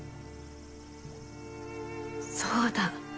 そうだ。